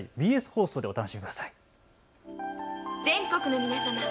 ＢＳ放送でお楽しみください。